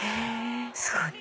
すごい。